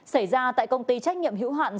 xảy ra tại công ty trách nhiệm hữu hạn